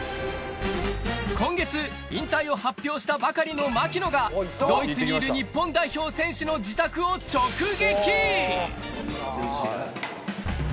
今月、引退を発表したばかりの槙野が、ドイツにいる日本代表選手の自宅を直撃。